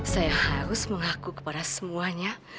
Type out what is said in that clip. saya harus mengaku kepada semuanya